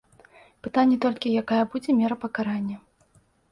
Пытанне толькі, якая будзе мера пакарання.